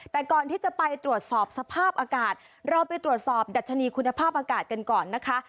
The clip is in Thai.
แต่ก่อนที่จะไปตรวจสอบสภาพอากาศเราไปตรวจสอบดัชนีคุณภาพอากาศกันก่อนนะคะ